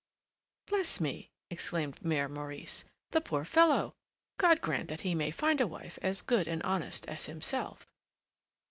"Bless me!" exclaimed Mère Maurice; "the poor fellow! God grant that he may find a wife as good and honest as himself!"